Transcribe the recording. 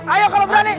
ayo kalau berani